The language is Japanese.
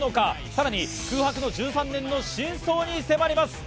さらに空白の１３年の真相に迫ります。